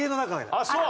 あっそう。